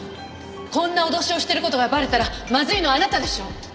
こんな脅しをしている事がばれたらまずいのはあなたでしょ？